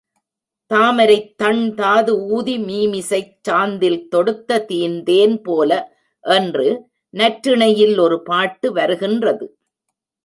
தாமரைத் தண்தாது ஊதி மீமிசைச் சாந்தில் தொடுத்த தீந்தேன் போல என்று நற்றிணையில் ஒரு பாட்டு வருகின்றது.